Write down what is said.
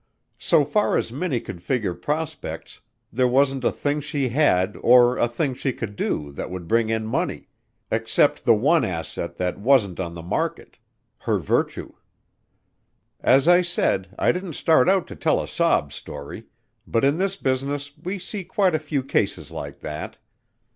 So far as Minnie could figure prospects there wasn't a thing she had or a thing she could do that would bring in money except the one asset that wasn't on the market: her virtue. As I said I didn't start out to tell a sob story, but in this business we see quite a few cases like that.